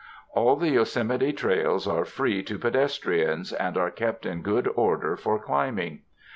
All the Yosemite trails are free to pedestrians, and are kept in good order for climbing.